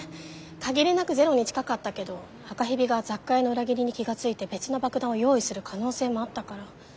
限りなくゼロに近かったけど赤蛇が雑貨屋の裏切りに気が付いて別の爆弾を用意する可能性もあったから。